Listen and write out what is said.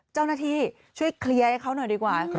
เจ้าหน้าที่ช่วยเคลียร์ให้เขาหน่อยดีกว่า